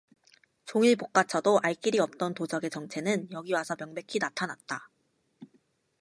종일 볶아쳐도 알 길이 없던 도적의 정체는 여기 와서 명백히 나타났다.